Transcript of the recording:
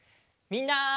みんな！